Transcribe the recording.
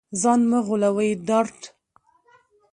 ځان مه غولوې ډارت